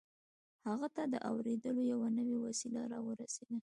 هغه ته د اورېدلو يوه نوې وسيله را ورسېده.